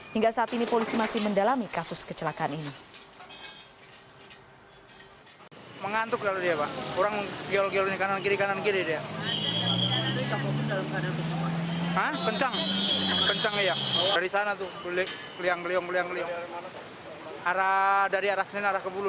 hingga saat ini polisi masih mendalami kasus kecelakaan ini